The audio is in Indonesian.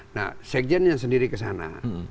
nah sekjen yang sendiri ke sana